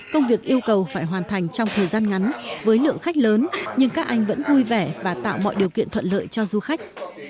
công việc yêu cầu phải hoàn thành trong thời gian ngắn với lượng khách lớn nhưng các anh vẫn vui vẻ và tạo mọi điều kiện thuận lợi cho du khách